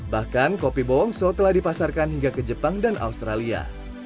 bahkan kopi bowongso telah dipasarkan hingga ke jepang dan australia